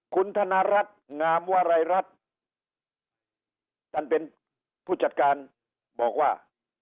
คุณธนรัฐงามวรัยรัฐท่านเป็นผู้จัดการบอกว่า